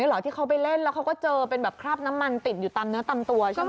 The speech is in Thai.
เหรอที่เขาไปเล่นแล้วเขาก็เจอเป็นแบบคราบน้ำมันติดอยู่ตามเนื้อตามตัวใช่ไหม